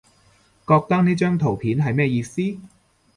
覺得呢張圖片係咩意思？